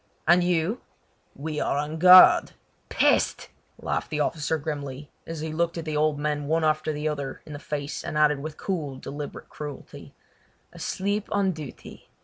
"And you?" "We are on guard!" "Peste!" laughed the officer grimly, as he looked at the old men one after the other in the face and added with cool deliberate cruelty: "Asleep on duty!